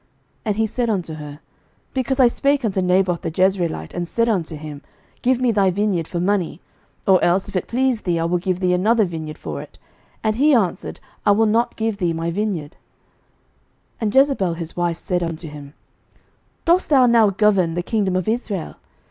11:021:006 And he said unto her, Because I spake unto Naboth the Jezreelite, and said unto him, Give me thy vineyard for money; or else, if it please thee, I will give thee another vineyard for it: and he answered, I will not give thee my vineyard. 11:021:007 And Jezebel his wife said unto him, Dost thou now govern the kingdom of Israel?